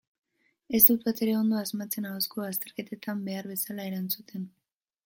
Ez dut batere ondo asmatzen ahozko azterketetan behar bezala erantzuten.